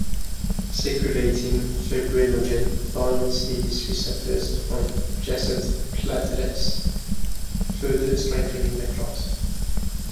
Circulating fibrinogen binds these receptors on adjacent platelets, further strengthening the clot.